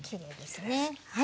はい。